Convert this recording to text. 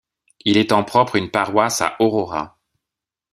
Ils ont en propre une paroisse à Aurora.